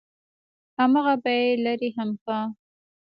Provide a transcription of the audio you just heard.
همغه به يې لرې هم کا.